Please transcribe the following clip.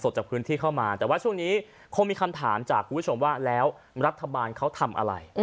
แต่ว่าช่วงนี้คงมีคำถามจากคุณผู้ชมว่าแล้วรัฐบาลเขาทำอะไร